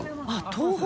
東北。